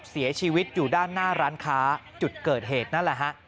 เสียชีวิตอยู่ด้านหน้าร้านค้าจุดเกิดเหตุนั่นแหละฮะ